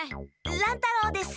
乱太郎です。